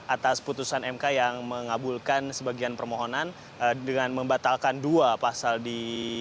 atas putusan mk yang mengabulkan sebagian permohonan dengan membatalkan dua pasal di